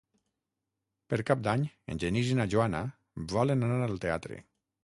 Per Cap d'Any en Genís i na Joana volen anar al teatre.